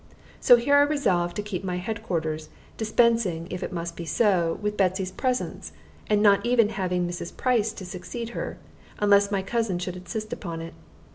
So here I resolved to keep my head quarters, dispensing, if it must be so, with Betsy's presence, and not even having Mrs. Price to succeed her, unless my cousin should insist upon it.